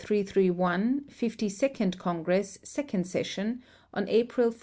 331, Fifty second Congress, Second Session, on April 14.